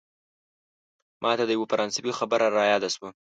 ماته د یوه فرانسوي خبره یاده شوه.